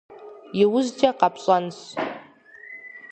Иужькӏэ къэпщӏэнщ.